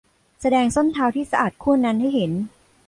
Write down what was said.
แสดงส้นเท้าที่สะอาดคู่นั้นให้เห็น